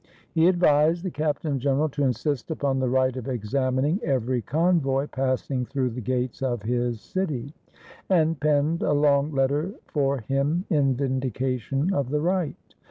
He advised the captain general to insist upon the right of examining every convoy passing through the gates of his city, and penned a long letter for him in vindication of the right.